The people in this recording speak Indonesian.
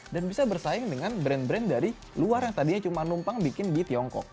dan bisa bersaing dengan brand brand dari luar yang tadinya cuma numpang bikin di tiongkok